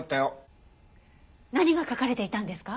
何が書かれていたんですか？